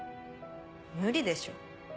無理でしょ。